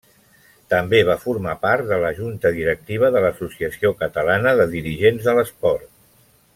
També va formar part de la Junta Directiva de l'Associació Catalana de Dirigents de l'Esport.